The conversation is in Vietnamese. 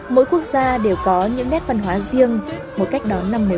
mỗi quốc gia đều có những nét văn hóa riêng một cách đón năm nếu riêng